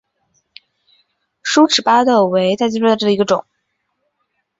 疏齿巴豆为大戟科巴豆属下的一个种。